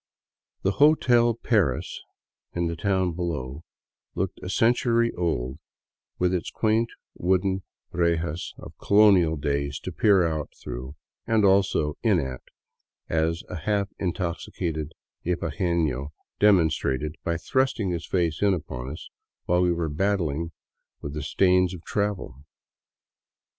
The " Hotel Paris," in the town below, looked a century old with its quaint wooden rejas of colonial days to peer out through — and also in at, as a half intoxicated ibaguefio demonstrated by thrusting his face in upon us while we were battling with the stains of travel.